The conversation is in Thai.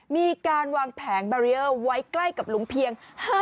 มีการวางแผงไว้ใกล้กับลุงเพียง